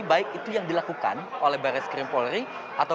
baik itu yang dilakukan oleh barais krim polri ataupun juga komnas ham